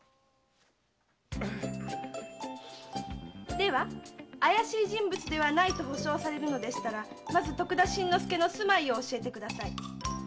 では怪しい人物でないと保証されるのでしたらまず徳田新之助の住まいを教えてください。